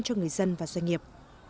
cho người dân và doanh nghiệp